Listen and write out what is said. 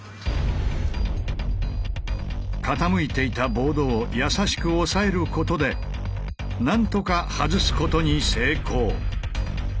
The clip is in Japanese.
傾いていたボードを優しく押さえることでなんとか外すことに成功。